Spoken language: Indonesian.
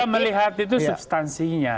kita melihat itu substansinya